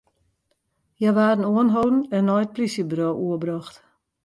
Hja waarden oanholden en nei it polysjeburo oerbrocht.